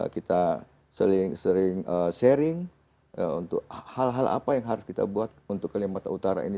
kita sering sharing untuk hal hal apa yang harus kita buat untuk kalimantan utara ini